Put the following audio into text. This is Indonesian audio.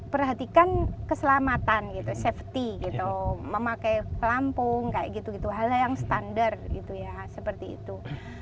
perhatikan keselamatan gitu safety gitu memakai pelampung kayak gitu gitu hal hal yang standar gitu ya seperti itu